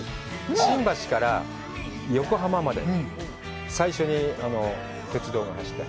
新橋から横浜まで、最初に鉄道が走った。